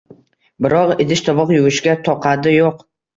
biroq idish-tovoq yuvishga toqati yo‘q.